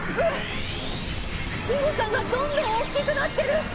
信五さんがどんどん大きくなってる！